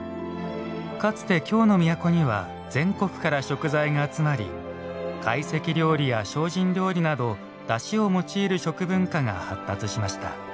かつて京の都には全国から食材が集まり懐石料理や精進料理などだしを用いる食文化が発達しました。